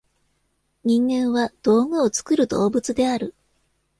人間は「道具を作る動物」である。